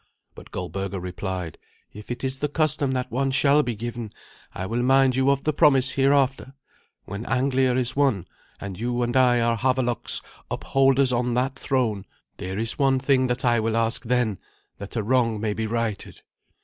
But Goldberga replied, "If it is the custom that one shall be given, I will mind you of the promise hereafter, when Anglia is won, and you and I are Havelok's upholders on that throne. There is one thing that I will ask then, that a wrong may be righted."